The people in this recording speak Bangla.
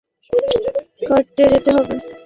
না, দাড়ি কাটতে যেতে হবে।